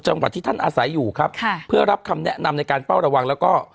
จังหวัดที่ท่านอาศัยอยู่ครับค่ะเพื่อรับคำแนะนำในการเฝ้าระวังแล้วก็